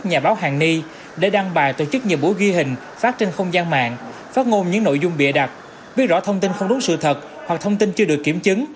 nhà báo hàn ni để đăng bài tổ chức nhiều buổi ghi hình phát trên không gian mạng phát ngôn những nội dung bịa đặt biết rõ thông tin không đúng sự thật hoặc thông tin chưa được kiểm chứng